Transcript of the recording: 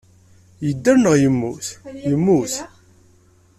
Yedder neɣ yemmut? Yemmut.